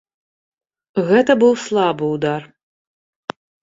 Гэта быў слабы ўдар.